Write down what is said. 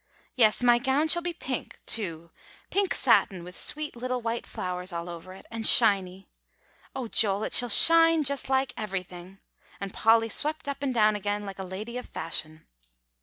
Yes, my gown shall be pink, too, pink satin with sweet little white flowers all over it, and shiny. O Joel, it shall shine just like everything!" and Polly swept up and down again like a lady of fashion.